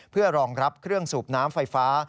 เพื่อรองรับเครื่องสูบน้ำไฟฟ้า